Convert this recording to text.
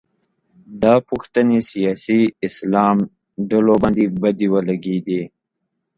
دا پوښتنې سیاسي اسلام ډلو باندې بدې ولګېدې